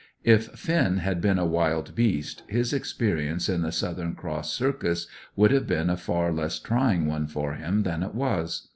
If Finn had been a wild beast, his experience in the Southern Cross Circus would have been a far less trying one for him than it was.